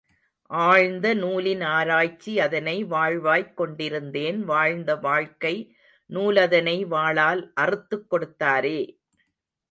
ஆழ்ந்த நூலின் ஆராய்ச்சி அதனை வாழ்வாய்க் கொண்டிருந்தேன் வாழ்ந்த வாழ்க்கை நூலதனை வாளால் அறுத்துக் கெடுத்தாரே!